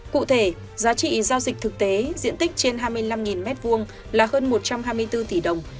cụ thể giá trị giao dịch thực tế diện tích trên hai mươi năm m hai là hơn một trăm hai mươi bốn tỷ đồng